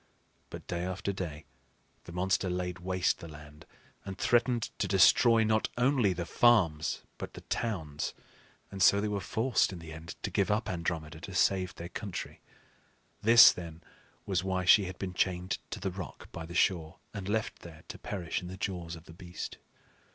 But day after day the monster laid waste the land, and threatened to destroy not only the farms, but the towns; and so they were forced in the end to give up Andromeda to save their country. This, then, was why she had been chained to the rock by the shore and left there to perish in the jaws of the beast.